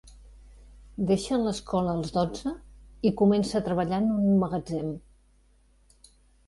Deixa l'escola als dotze i comença a treballar en un magatzem.